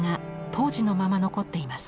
当時のまま残っています。